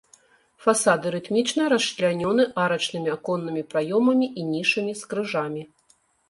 Фасады рытмічна расчлянёны арачнымі аконнымі праёмамі і нішамі з крыжамі.